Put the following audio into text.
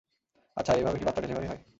আচ্ছা, এভাবে কি বাচ্চা ডেলিভারি হয়?